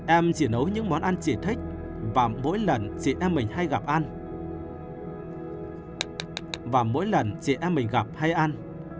em chỉ nấu những món ăn chị thích và mỗi lần chị em mình hay gặp hay ăn